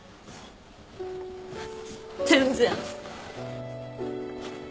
全然。